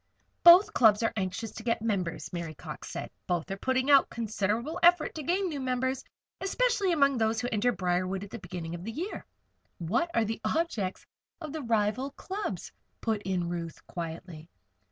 "Both clubs are anxious to get members," Mary Cox said. "Both are putting out considerable effort to gain new members especially among these who enter Briarwood at the beginning of the year." "What are the objects of the rival clubs?" put in Ruth, quietly.